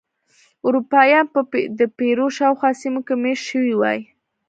اروپایان به د پیرو شاوخوا سیمو کې مېشت شوي وای.